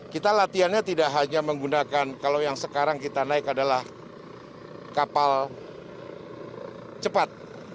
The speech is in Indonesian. kita latihannya tidak hanya menggunakan kalau yang sekarang kita naik adalah kapal cepat